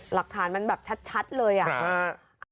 หลักฐานมันแบบชัดเลยอะ